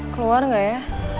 keluar gak ya